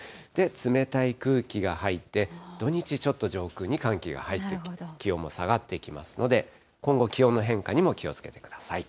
冷たい空気が入って、土日、ちょっと上空に寒気が入ってくる、気温も下がってきますので、今後、気温の変化にも気をつけてください。